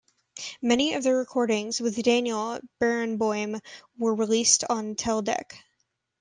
Many of the recordings with Daniel Barenboim were released on Teldec.